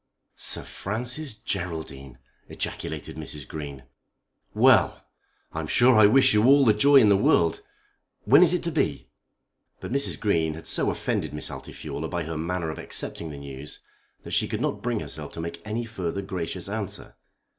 "Sir Francis Geraldine!" ejaculated Mrs. Green. "Well; I'm sure I wish you all the joy in the world. When is it to be?" But Mrs. Green had so offended Miss Altifiorla by her manner of accepting the news that she could not bring herself to make any further gracious answer.